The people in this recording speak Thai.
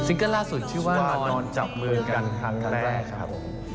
เกิ้ลล่าสุดชื่อว่านอนจับมือกันครั้งแรกครับ